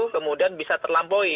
kemudian bisa terlampaui